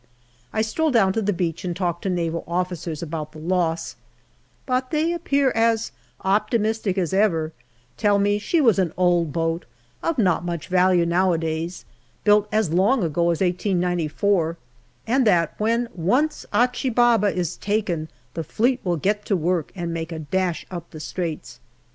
I stroll down on the beach and talk to Naval officers about the loss, but they appear as optimistic as ever tell me she was an old boat, of not much value nowadays, built as long ago as 1894, and that when once Achi Baba is taken the Fleet will get to work and make a dash up the Straits.